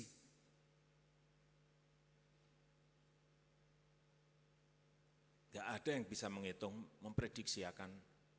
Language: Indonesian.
tidak ada yang bisa menghitung memprediksi akan